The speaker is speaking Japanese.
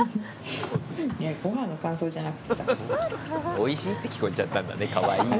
「おいしい？」って聞こえちゃったんだね「かわいい？」が。